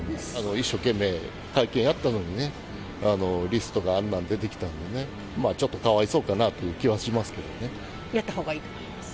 一生懸命会見やったのにね、リストが、あんなん出てきたんでね、まあちょっと、かわいそうかなという気やったほうがいいと思います。